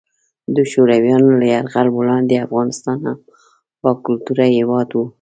د شورویانو له یرغل وړاندې افغانستان هم باکلتوره هیواد وو.